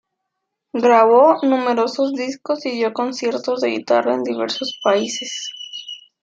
Grabó numerosos discos y dio conciertos de guitarra en diversos países.